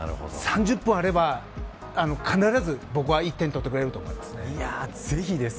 ３０分あれば必ず僕は１点取ってくれると思います。